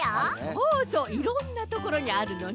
そうそういろんなところにあるのね。